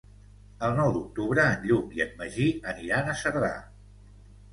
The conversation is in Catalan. El nou d'octubre en Lluc i en Magí aniran a Cerdà.